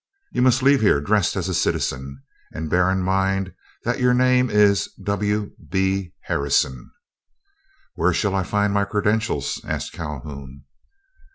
You must leave here dressed as a citizen, and bear in mind that your name is W. B. Harrison." "Where shall I find my credentials?" asked Calhoun.